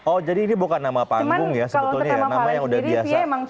oh jadi ini bukan nama panggung ya sebetulnya ya nama yang udah biasa